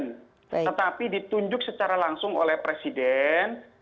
tetapi ditunjuk secara langsung oleh presiden